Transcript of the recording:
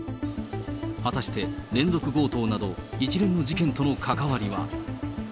果たして連続強盗など、一連の事件との関わりは。